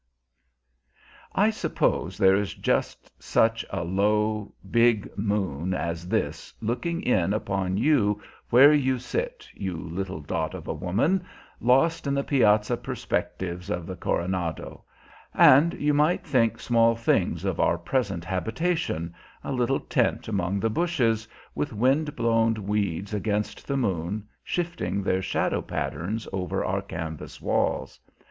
I suppose there is just such a low, big moon as this looking in upon you where you sit, you little dot of a woman, lost in the piazza perspectives of the Coronado; and you might think small things of our present habitation a little tent among the bushes, with wind blown weeds against the moon, shifting their shadow patterns over our canvas walls.